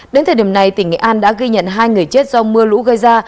đến thời điểm này tỉnh nghệ an đã ghi nhận hai người chết do mưa lũ gây ra